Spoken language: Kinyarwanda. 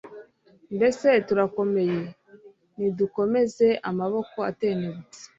Mbese turakomeye? Nidukomeze amaboko atentebutse.